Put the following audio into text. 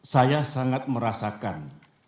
saya sangat merasakan